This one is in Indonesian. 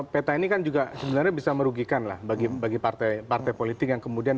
petani kan juga sebenarnya bisa merugikan lah bagi bagi partai partai politik yang kemudian